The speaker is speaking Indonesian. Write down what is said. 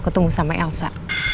ketemu sama elsa